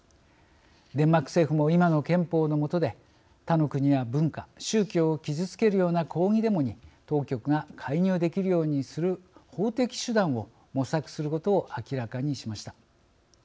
デンマーク政府も今の憲法のもとで他の国や文化宗教を傷つけるような抗議デモに当局が介入できるようにする法的手段を模索することを明らかにしました。